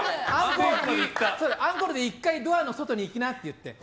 アンコールで１回ドアの外に行きなって言って。